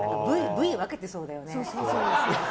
部位分けてそうだよね。